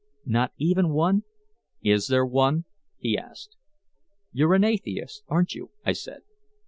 "Not even one?" "Is there one?" he asked. "You're an atheist, aren't you," I said.